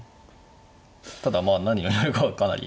ただまあ何をやるかはかなり。